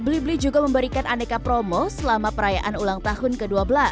beli beli juga memberikan aneka promo selama perayaan ulang tahun ke dua belas